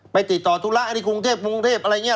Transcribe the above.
ไปติดต่อธุระที่กรุงเทพกรุงเทพอะไรอย่างนี้